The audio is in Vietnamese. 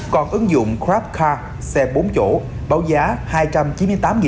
còn ứng dụng grabtaxi tài xế yêu cầu trả bốn trăm tám mươi đồng cho xe bốn chỗ